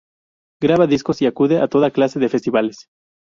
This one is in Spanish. Graba discos y acude a toda clase de festivales.